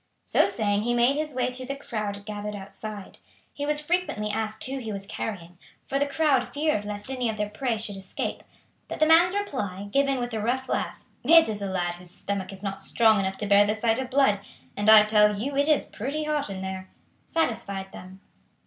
So saying he made his way through the crowd gathered outside. He was frequently asked who he was carrying, for the crowd feared lest any of their prey should escape; but the man's reply, given with a rough laugh "It is a lad whose stomach is not strong enough to bear the sight of blood, and I tell you it is pretty hot in there," satisfied them.